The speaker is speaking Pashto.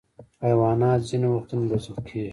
حیوانات ځینې وختونه روزل کېږي.